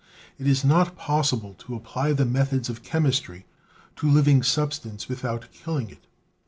It is not possible to apply the methods of chemistry to living substance without killing it.